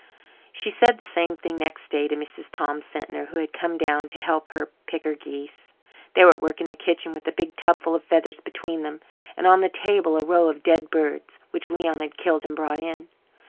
She said the same thing next day to Mrs. Tom Sentner, who had come down to help her pick her geese. They were at work in the kitchen with a big tubful of feathers between them, and on the table a row of dead birds, which Leon had killed and brought in.